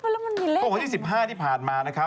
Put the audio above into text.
รูปมันอะไรมันจะมีเลขมั้ยหรือป๗๕ที่ผ่านมา